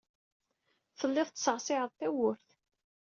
Tellid tettṣeɛṣiɛed tawwurt.